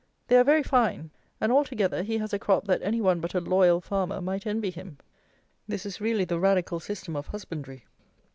They are very fine; and, altogether, he has a crop that any one but a "loyal" farmer might envy him. This is really the radical system of husbandry.